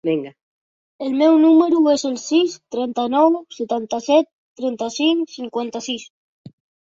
El meu número es el sis, trenta-nou, setanta-set, trenta-cinc, cinquanta-sis.